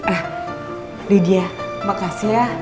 ah lydia makasih ya